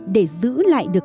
để giữ lại được